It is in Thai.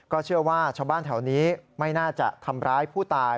เชื่อว่าชาวบ้านแถวนี้ไม่น่าจะทำร้ายผู้ตาย